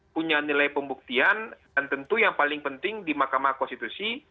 punya nilai pembuktian dan tentu yang paling penting di mahkamah konstitusi